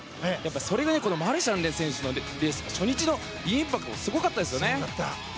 それくらいマルシャンのレースも初日のインパクトもすごかったですよね。